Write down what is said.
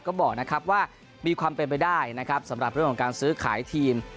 ก็บอกนะครับว่ามีความเป็นไปได้นะครับสำหรับเรื่องของการซื้อขายทีม